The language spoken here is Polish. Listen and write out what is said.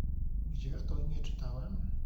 "Gdzie ja to imię czytałem?.."